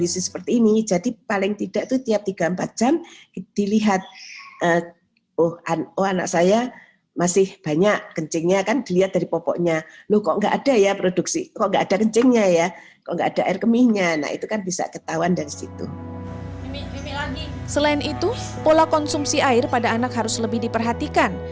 selain itu pola konsumsi air pada anak harus lebih diperhatikan